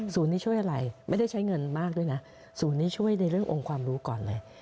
นี้ช่วยอะไรไม่ได้ใช้เงินมากด้วยนะศูนย์นี้ช่วยในเรื่ององค์ความรู้ก่อนเลย